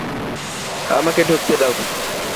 আমাকে ঢুকতে দাও!